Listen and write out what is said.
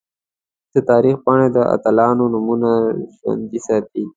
د تاریخ پاڼې د اتلانو نومونه ژوندۍ ساتي.